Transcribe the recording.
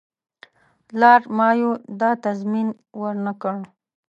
لارډ مایو دا تضمین ورنه کړ.